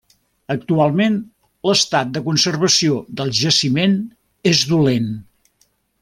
Actualment, l'estat de conservació del jaciment és dolent.